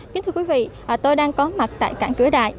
kính thưa quý vị tôi đang có mặt tại cảng cửa đại